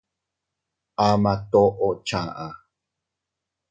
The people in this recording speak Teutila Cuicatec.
Ama toʼo chaʼa.